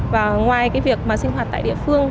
và ngoài cái việc mà sinh hoạt tại địa phương